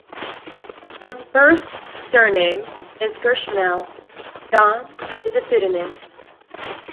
Her birth surname is Gersmehl; Dawn is a pseudonym.